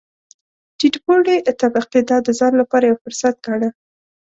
ټیټ پوړې طبقې دا د ځان لپاره یو فرصت ګاڼه.